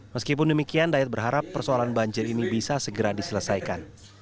meskipun demikian dayat berharap persoalan banjir ini bisa segera diselesaikan